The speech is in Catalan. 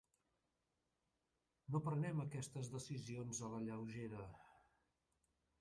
No prenem aquestes decisions a la lleugera.